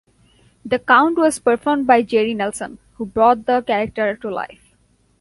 The Count was performed by Jerry Nelson, who brought the character to life.